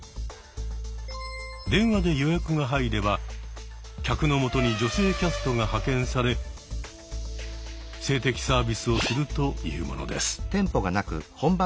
電話で予約が入れば客のもとに女性キャストが派遣され性的サービスをするというものです。